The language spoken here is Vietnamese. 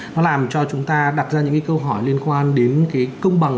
nó làm cho chúng ta đặt ra những câu hỏi liên quan đến công bằng